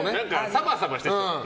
サバサバしてそう。